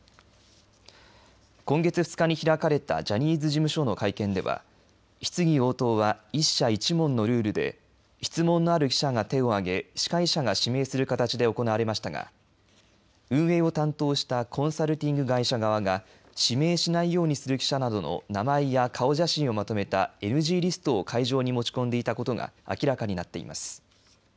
今月２日に開かれたジャニーズ事務所の会見では質疑応答は１社１問のルールで質問のある記者が手を挙げ司会者が指名する形で行われましたが運営を担当したコンサルティング会社側が指名しないようにする記者などの名前や顔写真をまとめたＮＧリストを会場に持ち込んでいたことが明らかになっています。